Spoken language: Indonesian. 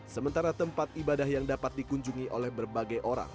sementara tempat ibadah yang dapat dikunjungi oleh berbagai orang